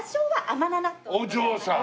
お嬢さん。